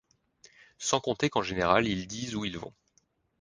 Sans compter qu’en général ils disent où ils vont.